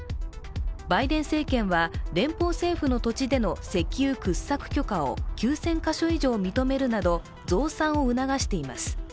バイデン政権は連邦政府の土地での石油掘削許可を９０００カ所以上認めるなど増産を促しています。